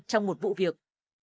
trong một vụ việc